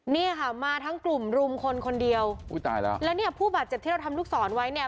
เนี่ยค่ะมาทั้งกลุ่มรุมคนคนเดียวอุ้ยตายแล้วแล้วเนี่ยผู้บาดเจ็บที่เราทำลูกศรไว้เนี่ย